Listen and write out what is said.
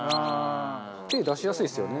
手出しやすいですよね。